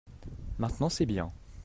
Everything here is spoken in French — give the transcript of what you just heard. maintenant c'est bien.